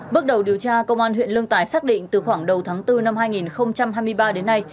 bước đầu điều tra công an huyện lương tài xác định từ khoảng đầu tháng bốn năm hai nghìn hai mươi ba đến nay